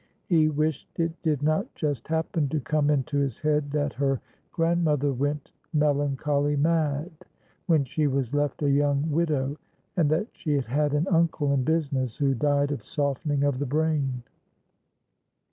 He wished it did not just happen to come into his head that her grandmother went "melancholy mad" when she was left a young widow, and that she had had an uncle in business who died of softening of the brain.